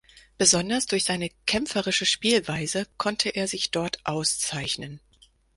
Besonders durch seine kämpferische Spielweise konnte er sich dort auszeichnen.